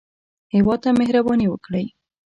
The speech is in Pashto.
هېواد ته مهرباني وکړئ